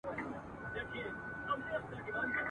خو ددې شعر په هکله مهمه یادونه دا ده ..